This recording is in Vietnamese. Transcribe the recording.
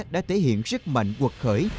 đã thể hiện sức mạnh quật khởi